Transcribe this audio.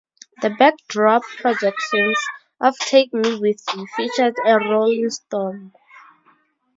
The backdrop projections of "Take Me With You" featured a rolling storm.